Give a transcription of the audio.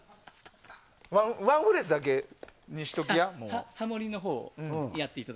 ワンフレーズだけにしときや。